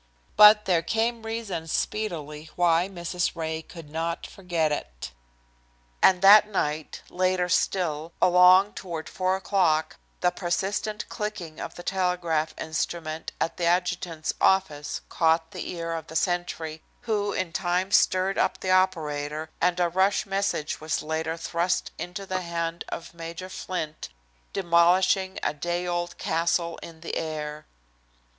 But there came reason speedily why Mrs. Ray could not forget it. And that night, later still, along toward four o'clock, the persistent clicking of the telegraph instrument at the adjutant's office caught the ear of the sentry, who in time stirred up the operator, and a "rush" message was later thrust into the hand of Major Flint, demolishing a day old castle in the air.